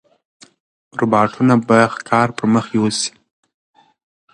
روباټونه به کار پرمخ یوسي.